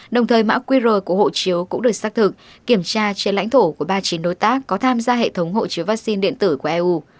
đồng thời mã quy rời của hộ chiếu cũng được xác thực kiểm tra trên lãnh thổ của ba chiến đối tác có tham gia hệ thống hộ chiếu vắc xin điện tử của eu